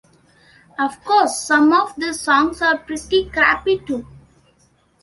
Of course, some of these songs are pretty crappy, too.